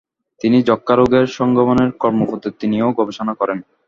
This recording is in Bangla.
তিনি যক্ষ্মা রোগের সংক্রমণের কর্মপদ্ধতি নিয়েও গবেষণা করেন।